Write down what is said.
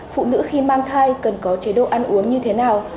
phụ nữ khi mang thai cần có chế độ ăn uống như thế nào